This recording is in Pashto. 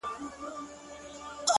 كلونه به خوب وكړو د بېديا پر ځنگانه.!